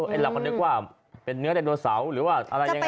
เราก็นึกว่าเป็นเนื้อไดโนเสาร์หรือว่าอะไรยังไง